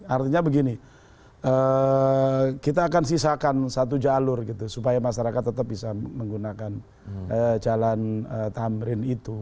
artinya begini kita akan sisakan satu jalur gitu supaya masyarakat tetap bisa menggunakan jalan tamrin itu